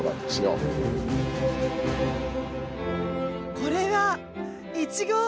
これはイチゴ！